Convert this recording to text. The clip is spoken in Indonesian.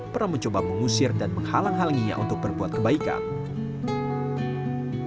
pernah mencoba mengusir dan menghalang halanginya untuk berbuat kebaikan